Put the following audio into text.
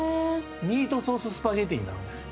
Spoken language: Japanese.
ミートソーススパゲッティになるんです。